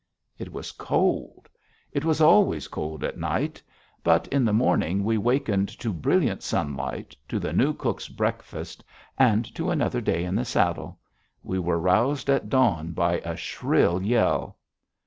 It was cold. It was always cold at night. But, in the morning, we wakened to brilliant sunlight, to the new cook's breakfast, and to another day in the saddle. We were roused at dawn by a shrill yell.